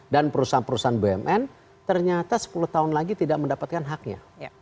dan perusahaan perusahaan bumn ternyata sepuluh tahun lagi tidak mendapatkan haknya